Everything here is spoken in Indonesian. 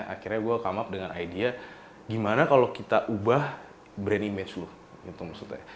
akhirnya gue come up dengan idea gimana kalau kita ubah brand image dulu